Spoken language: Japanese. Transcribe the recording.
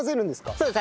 そうです。